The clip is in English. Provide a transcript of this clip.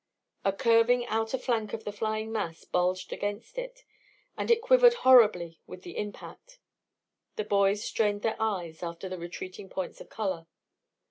A curving outer flank of the flying mass bulged against it, and it quivered horribly with the impact. The boys strained their eyes after the retreating points of colour.